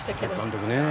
監督ね。